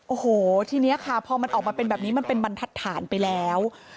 โอ้โหทีนี้ค่ะพอมันออกมาเป็นแบบนี้มันเป็นบรรทัดฐานไปแล้ว